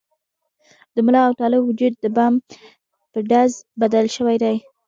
د ملا او طالب وجود د بم په ډز بدل شوي دي.